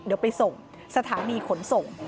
เดี๋ยวไปส่งสถานีขนส่ง